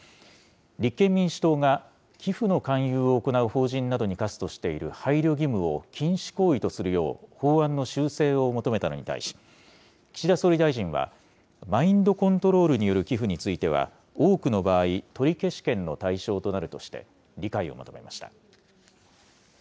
立憲民主党が寄付の勧誘を行う法人などに課すとしている配慮義務を禁止行為とするよう法案の修正を求めたのに対し、岸田総理大臣は、マインドコントロールによる寄付については多くの場合、取消権の対象となるとして、理解を求めました。